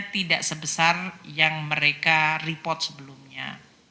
tidak sebesar yang mereka report sebelumnya